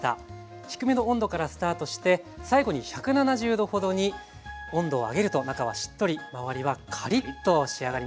低めの温度からスタートして最後に１７０℃ほどに温度を上げると中はしっとり周りはカリッと仕上がります。